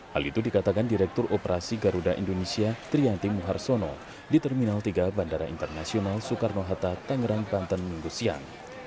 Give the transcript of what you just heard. hal itu dikatakan direktur operasi garuda indonesia trianti muharsono di terminal tiga bandara internasional soekarno hatta tangerang banten minggu siang